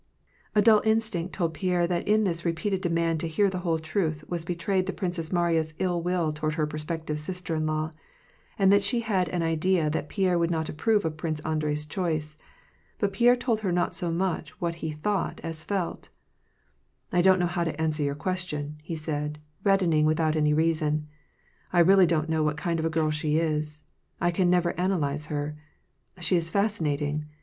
A dull instinct told Pierre that in this repeated demand to hear the whole truth was betrayed the Princess Mariya's ill will toward her prospective sister in law, and that she had an idea that Pierre would not approve of Prince Andrei's choice ; but Pierre told her not so much what he thought as felt, "I don't know how to answer your question," said he, red dening without any reason. " I really don't know what kind of a girl she is. I can never analyze her. She is fascinating.